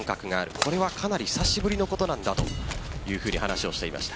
これはかなり久しぶりのことなんだというふうに話をしていました。